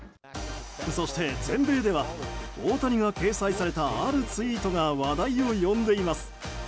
そして、全米では大谷が掲載されたあるツイートが話題を呼んでいます。